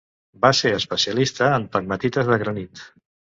Va ser especialista en pegmatites de granit.